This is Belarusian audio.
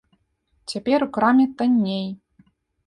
Цяпер у краме танней.